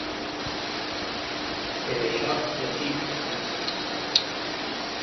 Per això lo xic està en xoc.